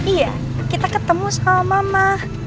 iya kita ketemu sama mama